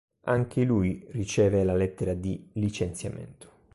Anche lui riceve la lettera di licenziamento.